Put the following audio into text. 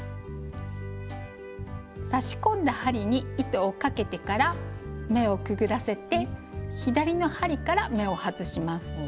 差し込んだ針に糸をかけてから目をくぐらせて左の針から目を外します。